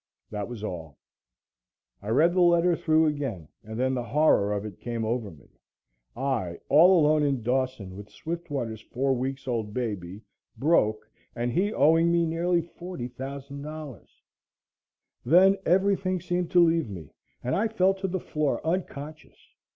That was all. I read the letter through again and then the horror of it came over me I all alone in Dawson with Swiftwater's four weeks' old baby, broke and he owing me nearly $40,000. Then everything seemed to leave me and I fell to the floor unconscious.